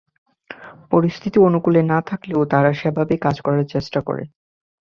পরিস্থিতি অনুকূলে না থাকলেও তারা সেভাবেই কাজ করার চেষ্টা করে।